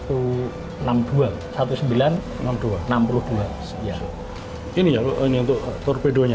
ini untuk torpedo nya